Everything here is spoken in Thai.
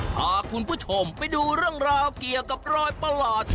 พาคุณผู้ชมไปดูเรื่องราวเกี่ยวกับรอยประหลาด